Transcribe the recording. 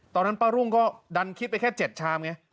ตอนนั้นป้ารุ่งก็ดันคิดไปแค่๗ชามไง